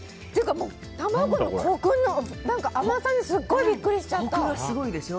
卵のコクの甘さにビックリしちゃった！